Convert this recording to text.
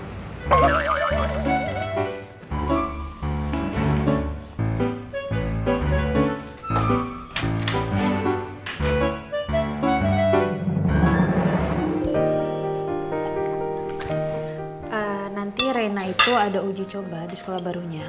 nanti reina itu ada uji coba di sekolah barunya